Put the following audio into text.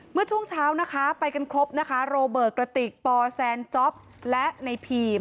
เมื่อช่วงเช้านะคะไปกันครบนะคะโรเบิร์ตกระติกปแซนจ๊อปและในพีม